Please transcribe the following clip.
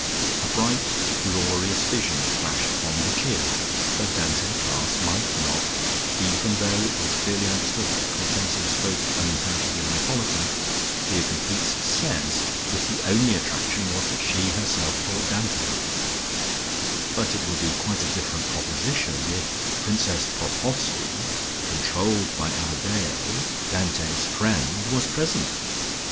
A bright glorious vision flashed upon Lucia. The Dante class might not, even though it was clearly understood that Cortese spoke unintelligible Neapolitan, be a complete success, if the only attraction was that she herself taught Dante, but it would be quite a different proposition if Princess Popoffski, controlled by Amadeo, Dante's friend, was present.